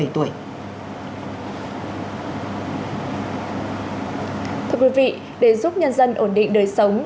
thưa quý vị để giúp nhân dân ổn định đời sống